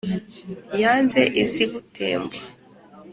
yanyaze iz'i butembo